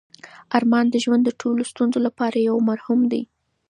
ارمان د ژوند د ټولو ستونزو لپاره یو مرهم دی.